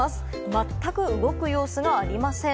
まったく動く様子がありません。